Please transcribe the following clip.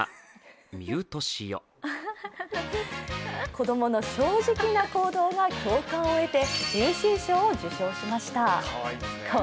子供の正直な行動が共感を得て優秀賞を受賞しました。